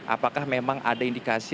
apakah memang ada indikasi